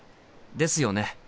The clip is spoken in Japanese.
ですよね。